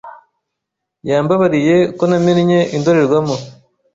Yambabariye ko namennye indorerwamo.